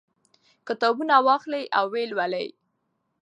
کتابونه واخلئ او ویې لولئ.